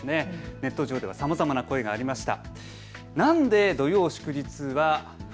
ネット上ではさまざまな声がありました。